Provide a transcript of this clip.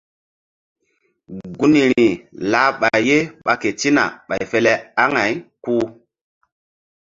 Gunri lah ɓay ye ɓa ketina ɓay fe le aŋay ku.